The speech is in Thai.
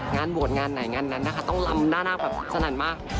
งานบวชงานไหนงานนั้นนะคะต้องลำหน้านาคแบบสนั่นมาก